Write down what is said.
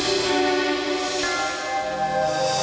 gue mau buang